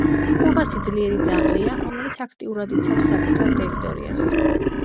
კუვასი ძლიერი ძაღლია, რომელიც აქტიურად იცავს საკუთარ ტერიტორიას.